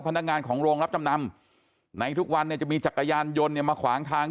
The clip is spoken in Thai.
พนักงานของโรงรับจำนำไหนทุกวันจะมีจักรยานยนต์มาขวางทาง